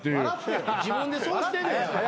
自分でそうしてんねん。